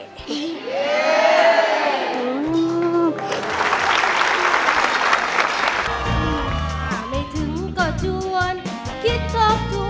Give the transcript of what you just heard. ถ้าไม่ถึงก็ชวนคิดชอบทุก